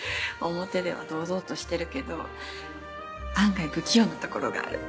表では堂々としてるけど案外不器用なところがある。